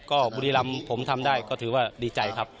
ก็บุรีรำผมทำได้ก็ถือว่าดีใจครับ